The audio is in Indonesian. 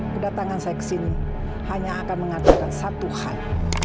kedatangan saya ke sini hanya akan mengatakan satu hal